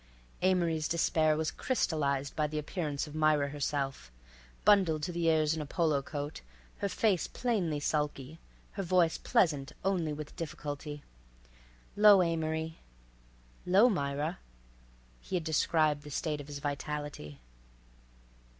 Amory's despair was crystallized by the appearance of Myra herself, bundled to the ears in a polo coat, her face plainly sulky, her voice pleasant only with difficulty. "'Lo, Amory." "'Lo, Myra." He had described the state of his vitality.